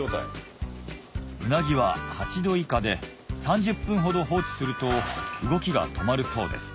うなぎは８度以下で３０分ほど放置すると動きが止まるそうです